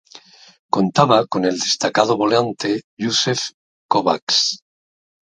Contaba con el destacado volante József Kovács.